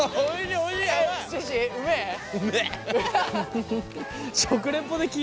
おいしい！